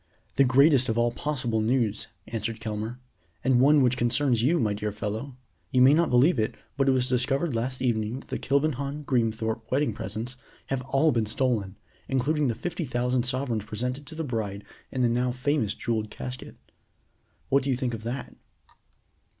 "The greatest of all possible news," answered Kelmare, "and one which concerns you, my dear fellow. You may not believe it, but it was discovered last evening that the Kilbenham Greenthorpe wedding presents have all been stolen, including the fifty thousand sovereigns presented to the bride in the now famous jeweled casket. What do you think of that?"